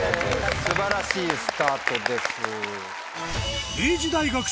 素晴らしいスタートです。